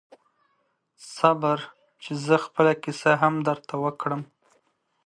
صبر چې زه خپله کیسه هم درته وکړم